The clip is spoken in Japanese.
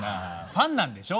ファンなんでしょ？